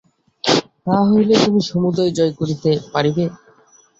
তাহা হইলেই তুমি সমুদয় জয় করিতে পারিবে।